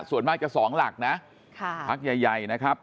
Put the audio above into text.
ส่วนมากจะ๒หลักนะพักใหญ่นะครับ